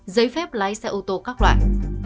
giấy phép lái xe ô tô các loại